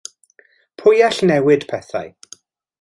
Pwy all newid pethau?